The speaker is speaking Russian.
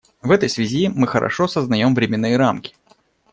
В этой связи мы хорошо сознаем временные рамки.